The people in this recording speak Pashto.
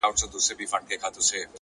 ژمن انسان د خنډونو تر شا نه دریږي،